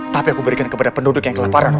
tapi aku berikan kepada penduduk yang kelaparan